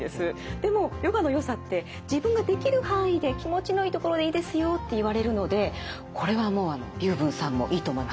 でもヨガのよさって自分ができる範囲で気持ちのいいところでいいですよって言われるのでこれはもう龍文さんもいいと思います。